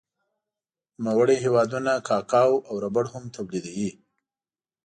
نوموړی هېوادونه کاکاو او ربړ هم تولیدوي.